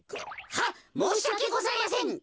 はっもうしわけございません。